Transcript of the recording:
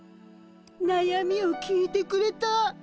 なやみを聞いてくれた。